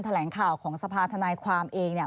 แถลงข่าวของสภาธนายความเองเนี่ย